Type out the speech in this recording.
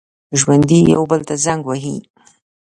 ژوندي یو بل ته زنګ وهي